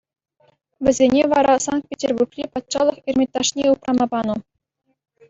Вӗсене вара Санкт-Петербургри Патшалӑх Эрмитажне упрама панӑ.